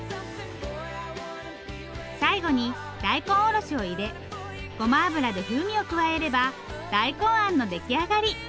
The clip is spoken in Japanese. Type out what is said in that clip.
最後に大根おろしを入れごま油で風味を加えれば大根あんの出来上がり。